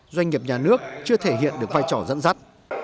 doanh nghiệp nhà nước chưa thể hiện được vai trò dẫn dắt